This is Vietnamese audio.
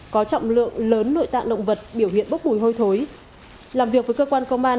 có trọng lượng lớn nội tạng động vật biểu hiện bốc mùi hôi thối làm việc với cơ quan công an